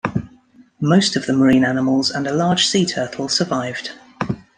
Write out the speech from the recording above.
Most of the marine mammals and a large sea turtle survived.